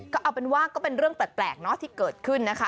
ก็เอาเป็นว่าก็เป็นเรื่องแปลกเนอะที่เกิดขึ้นนะคะ